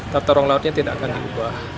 tata ruang lautnya tidak akan diubah